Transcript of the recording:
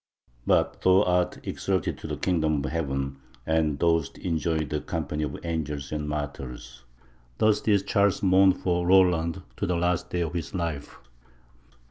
But thou art exalted to the kingdom of heaven, and dost enjoy the company of angels and martyrs!" Thus did Charles mourn for Roland to the last day of his life.